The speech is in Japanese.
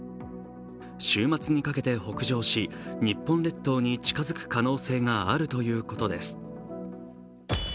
週末にかけて北上し、日本列島に近づく可能性があるということです。